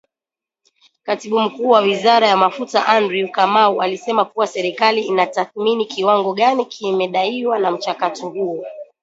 Katibu Mkuu wa Wizara ya Mafuta Andrew Kamau alisema kuwa serikali inatathmini kiwango gani kinadaiwa na mchakato huo.